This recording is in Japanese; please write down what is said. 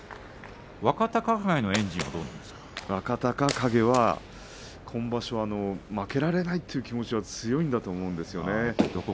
若隆景のエンジンは若隆景は今場所負けられないという気持ちが強いんだと思います。